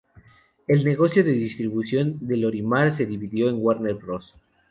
El negocio de distribución de Lorimar se dividió en Warner Bros.